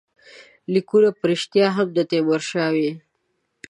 لیکونه په ریشتیا هم د تیمورشاه وي.